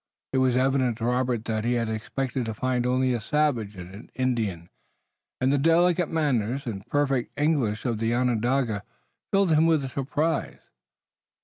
It was evident to Robert that he had expected to find only a savage in an Indian, and the delicate manners and perfect English of the Onondaga filled him with surprise.